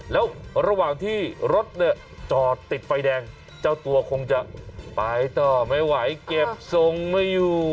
แล้วระหว่างที่รถเนี่ยจอดติดไฟแดงเจ้าตัวคงจะไปต่อไม่ไหวเก็บทรงไม่อยู่